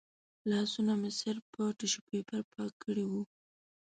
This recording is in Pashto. لاسونه مې صرف په ټیشو پیپر پاک کړي و.